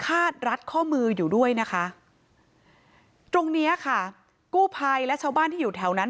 คาดรัดข้อมืออยู่ด้วยนะคะตรงเนี้ยค่ะกู้ภัยและชาวบ้านที่อยู่แถวนั้น